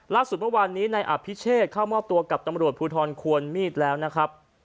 ล่าสุดเมื่อวานนี้นายอภิเชษเข้ามอบตัวกับตำรวจภูทรควรมีดแล้วนะครับ